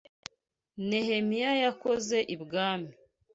Nehemiya yakoze ibwami